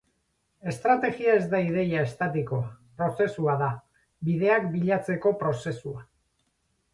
Estrategia ez da ideia estatikoa; prozesua da, bideak bilatzeko prozesua.